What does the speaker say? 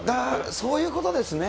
そういうことですね。